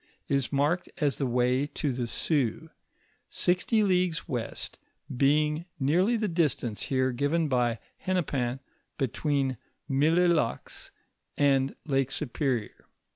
is marked as the way to the Sioux, sixty leagues west, being nearly the distance here given by Hennepin between Millelacs and Lake Superior.